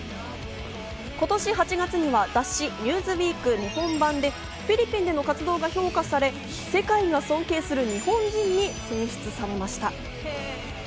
今年８月には雑誌『ニューズウィーク』日本版でフィリピンでの活動が評価され、世界が尊敬する日本人に選出されました。